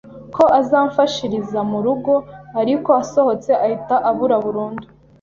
ko azamfashiriza mu rugo ariko asohotse ahita abura burundu .